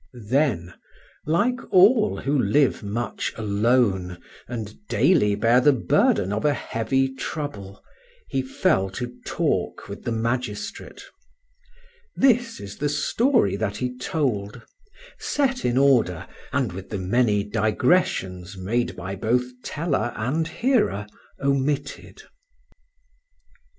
Then, like all who live much alone and daily bear the burden of a heavy trouble, he fell to talk with the magistrate. This is the story that he told, set in order, and with the many digressions made by both teller and hearer omitted.